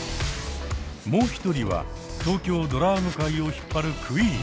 もう一人は東京ドラァグ界を引っ張るクイーン。